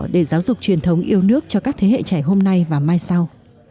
để giáo dục truyền thống yêu nước cho các thế hệ trẻ hôm nay và mai sau